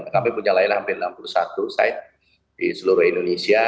kami punya layanan hampir enam puluh satu site di seluruh indonesia